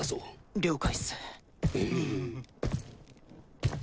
了解っす。